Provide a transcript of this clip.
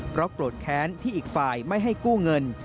เพราะโกรธแค้นที่อีกฝ่ายไม่ให้กู้เงิน